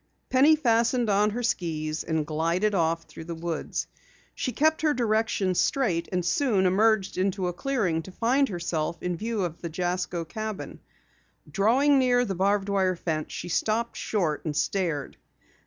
Penny fastened on her skis and glided off through the woods. She kept her directions straight and soon emerged into a clearing to find herself in view of the Jasko cabin. Drawing near the barbed wire fence she stopped short and stared.